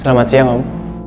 selamat siang om